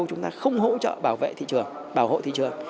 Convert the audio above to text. chúng ta không hỗ trợ bảo vệ thị trường bảo hộ thị trường